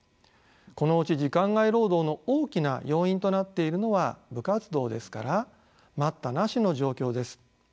このうち時間外労働の大きな要因となっているのは部活動ですから待ったなしの状況です。